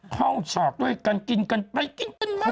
เข้าฉากด้วยกันกินกันไปกินกันมา